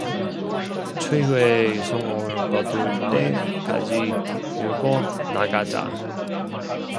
최후의 성공을 거둘 때까지 밀고 나가자.